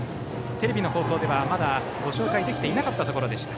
テレビの放送ではご紹介できていなかったところでした。